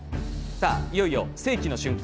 さあ、いよいよ世紀の瞬間。